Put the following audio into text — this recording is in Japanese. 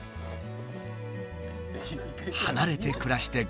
離れて暮らして５年目。